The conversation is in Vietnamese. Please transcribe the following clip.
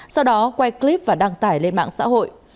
sau đó quay clip và đăng tải lên mạng xã hội